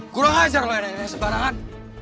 kurang ajar lo yang ini sepanangan